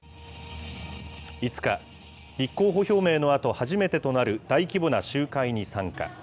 ５日、立候補表明のあと、初めてとなる大規模な集会に参加。